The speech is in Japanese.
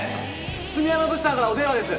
住山物産からお電話です！